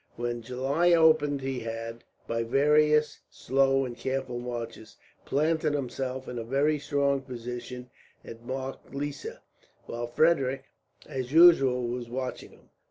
When July opened he had, by various slow and careful marches, planted himself in a very strong position at Marklissa; while Frederick, as usual, was watching him.